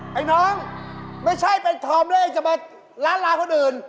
เฮ้ยไอ้น้องไม่ใช่เป็นทอมเลยจะมาล้านล้านคนอื่น